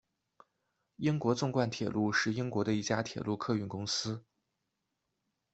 英国纵贯铁路是英国的一家铁路客运公司。